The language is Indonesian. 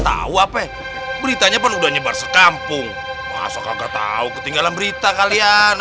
tahu apa beritanya pun udah nyebar sekampung masa kagak tahu ketinggalan berita kalian